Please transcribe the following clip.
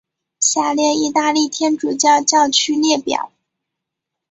下列意大利天主教教区列表。